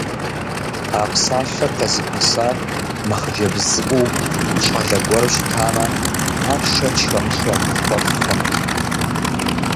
А псалъэр къезыпэсар мыхъыджэбз цӀыкӀуу, щӀалэ гуэру щытамэ, ар, шэч хэмылъу, абы хуэфӀ хъунт!